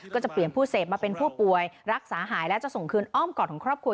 ก็จะเปลี่ยนผู้เสพมาเป็นผู้ป่วยรักษาหายและจะส่งคืนอ้อมกอดของครอบครัว